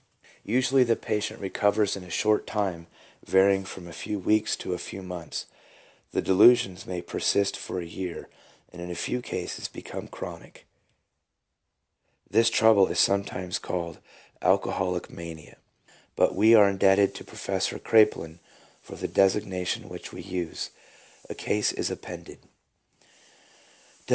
Usually the patient recovers in a short time varying from a few weeks to a few months. The delusions may persist for a year, and in a few cases become chronic. This trouble is sometimes called alcoholic 1 W. B. Lewis, Text book of Mental Diseases, pp. 354L INSANITY. 267 mania, but we are indebted to Professor Kraepelin for the designation which we use. A case is appended.